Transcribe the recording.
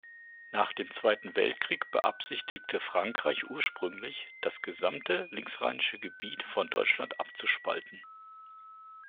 Nach dem Zweiten Weltkrieg beabsichtigte Frankreich ursprünglich, das gesamte linksrheinische Gebiet von Deutschland abzuspalten.